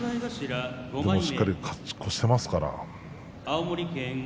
しっかり勝ち越していますから。